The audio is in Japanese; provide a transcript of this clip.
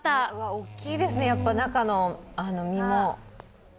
大きいですね、中の実も。